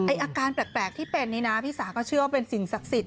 อาการแปลกที่เป็นนี่นะพี่สาก็เชื่อว่าเป็นสิ่งศักดิ์สิทธ